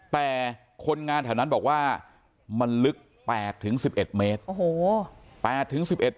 แต่คนงานแถวนั้นบอกว่ามันลึก๘๑๑เมตร